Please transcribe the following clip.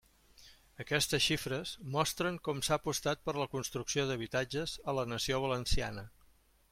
Aquestes xifres mostren com s'ha apostat per la construcció d'habitatges a la nació valenciana.